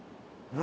何？